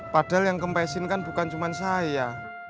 padahal yang kempeisin kan bukan cuman saya